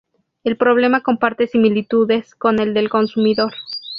El problema comparte similitudes, con el del consumidor.